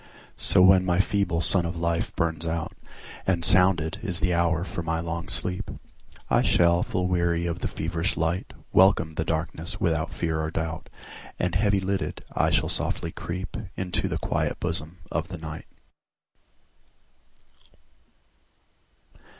So when my feeble sun of life burns out, And sounded is the hour for my long sleep,I shall, full weary of the feverish light, Welcome the darkness without fear or doubt, And heavy lidded, I shall softly creepInto the quiet bosom of the Night.